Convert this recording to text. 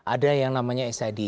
ada yang namanya sid